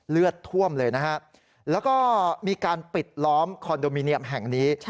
เลือดท่วมเลยนะฮะแล้วก็มีการปิดล้อมคอนโดมิเนียมแห่งนี้